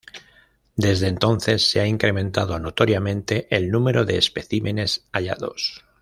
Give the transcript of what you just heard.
Desde entonces, se ha incrementado notoriamente el número de especímenes hallados.